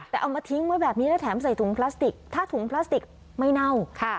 แต่เอามาทิ้งไว้แบบนี้แล้วแถมใส่ถุงพลาสติกถ้าถุงพลาสติกไม่เน่า